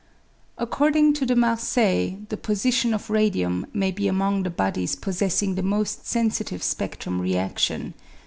According to Demargay, the position of radium may be among the bodies possessing the most sensitive spedrum readion.